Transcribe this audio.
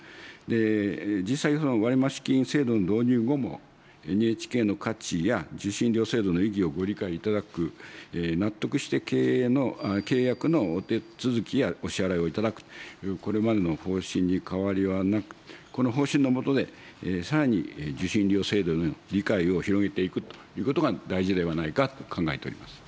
実際、割増金制度の導入後も、ＮＨＫの価値や受信料制度の意義をご理解いただく、納得して契約のお手続きやお支払いをいただくという、これまでの方針に変わりはなく、この方針の下で、さらに受信料制度への理解を広げていくということが大事ではないかと考えております。